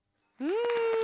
うん。